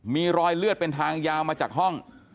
มีรอยเลือดเป็นทางยาวมาจากห้อง